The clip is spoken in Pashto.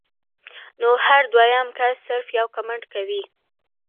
نو هر دويم کس صرف يو کمنټ کوي